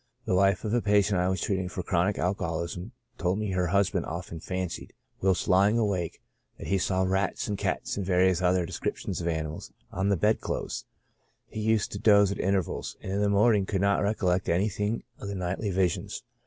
The wife of a patient I was treating for chronic alcoholism told me her husband often fancied, whilst lying awake, that he saw rats and cats and various other descrip tions of animals, on the bed clothes ; he used to doze at intervals, and in the morning could not recollect anything of the nightly visions.